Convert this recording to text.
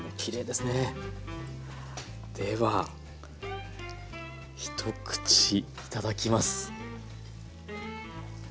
では一口いただきます。